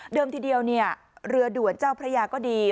ทีเดียวเรือด่วนเจ้าพระยาก็ดี